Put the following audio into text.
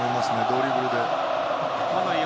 ドリブルでね。